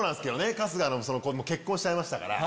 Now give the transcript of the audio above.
春日も結婚しちゃいましたから。